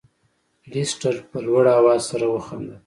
لیسټرډ په لوړ اواز سره وخندل.